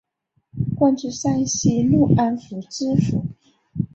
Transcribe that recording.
官至山西潞安府知府。